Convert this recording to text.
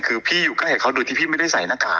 คือพี่อยู่ใกล้กับเขาโดยที่พี่ไม่ได้ใส่หน้ากาก